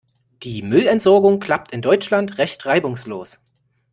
Die Müllentsorgung klappt in Deutschland recht reibungslos.